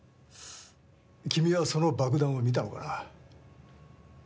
君はその爆弾を見たのかな？